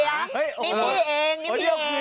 นี่พี่เองนี่พี่เอง